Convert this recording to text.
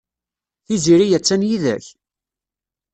Tiziri attan yid-k?